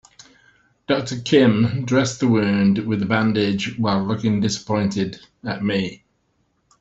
Doctor Kim dressed the wound with a bandage while looking disappointed at me.